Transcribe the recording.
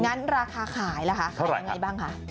งั้นราคาขายละคะเท่าไหร่ไงบ้างค่ะ